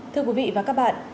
thưa quý vị và các bạn